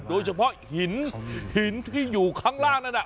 โดยเฉพาะหินหินที่อยู่ข้างล่างนั้น